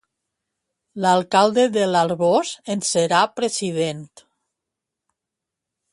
L'alcalde de l'Arboç en serà president.